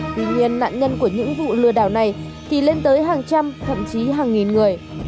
tuy nhiên nạn nhân của những vụ lừa đảo này thì lên tới hàng trăm thậm chí hàng nghìn người